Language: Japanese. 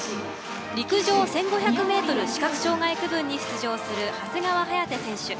陸上１５００ｍ視覚障害区分に出場する長谷川颯選手。